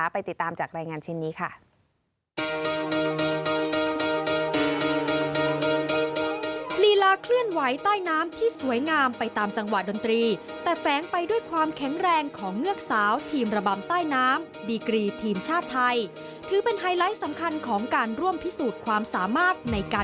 ไปติดตามจากรายงานชิ้นนี้ค่ะ